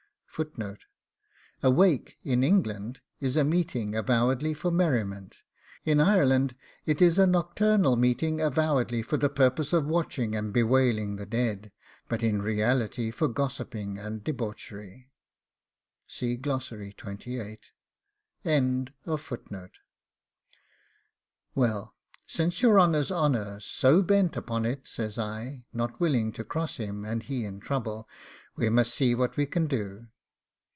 A 'wake' in England is a meeting avowedly for merriment; in Ireland it is a nocturnal meeting avowedly for the purpose of watching and bewailing the dead, but in reality for gossiping and debauchery. 'Well, since your honour's honour's SO bent upon it,' says I, not willing to cross him, and he in trouble, 'we must see what we can do.